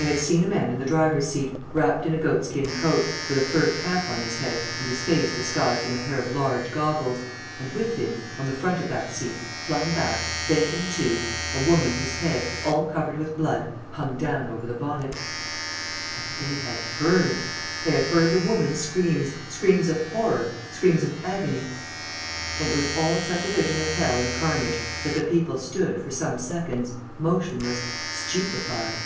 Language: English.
They had seen a man in the driver's seat, wrapped in a goat skin coat, with a fur cap on his head and his face disguised in a pair of large goggles, and, with him, on the front of that seat, flung back, bent in two, a woman whose head, all covered with blood, hung down over the bonnet.... And they had heard! They had heard the woman's screams, screams of horror, screams of agony.... And it was all such a vision of hell and carnage that the people stood, for some seconds, motionless, stupefied.